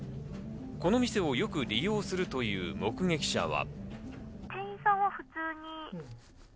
この店をよく利用するという目撃者は。